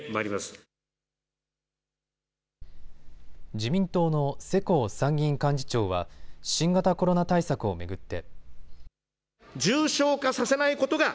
自民党の世耕参議院幹事長は新型コロナ対策を巡って。